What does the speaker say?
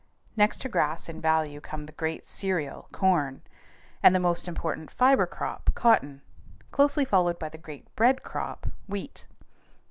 Next to grass in value come the great cereal, corn, and the most important fiber crop, cotton, closely followed by the great bread crop, wheat.